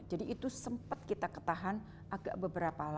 jadi itu sempat kita ketahan agak beberapa tahun